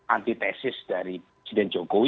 antitesis dari presiden jokowi